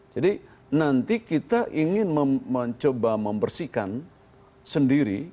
jadi nanti kita ingin mencoba membersihkan sendiri